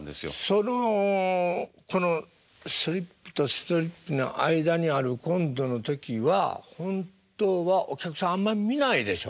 そのこのストリップとストリップの間にあるコントの時は本当はお客さんあんま見ないでしょ？